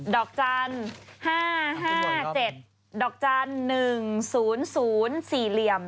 ดอกจันทร์๕๕๗ดอกจันทร์๑๐๐๔เหลี่ยม